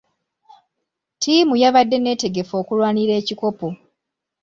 Ttiimu yabadde neetegefu okulwanira ekikopo.